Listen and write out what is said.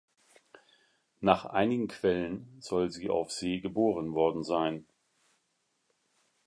Nach einigen Quellen soll sie auf See geboren worden sein.